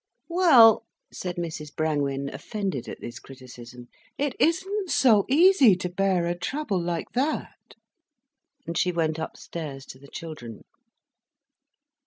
"Well—" said Mrs Brangwen, offended at this criticism, "it isn't so easy to bear a trouble like that." And she went upstairs to the children.